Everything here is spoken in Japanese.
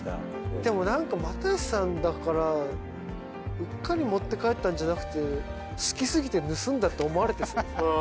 でも又吉さんだからうっかり持って帰ったんじゃなくて好き過ぎて盗んだって思われてそう。